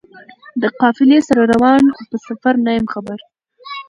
له قافلې سره روان په سفر نه یم خبر